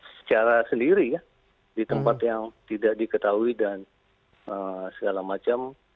secara sendiri ya di tempat yang tidak diketahui dan segala macam